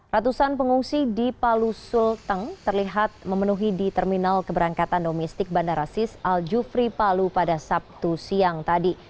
ratusan pengungsi di palu sulteng terlihat memenuhi di terminal keberangkatan domestik bandara sis al jufri palu pada sabtu siang tadi